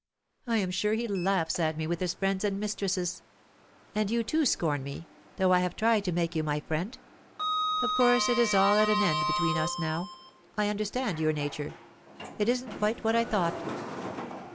I am sure he laughs at me with his friends and mistresses. And you too scorn me, though I have tried to make you my friend. Of course it is all at an end between us now. I understand your nature; it isn't quite what I thought."